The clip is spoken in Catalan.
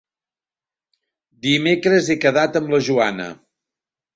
Dimecres he quedat amb la Joana.